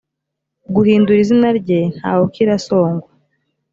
guhindura izina rye ntawukirasongwa